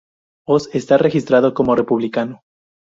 Oz esta registrado como republicano.